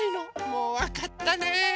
もうわかったね。